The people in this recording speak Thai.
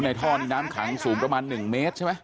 ท่อนน้ำขังสูงประมาณ๑เมตรใช่ไหม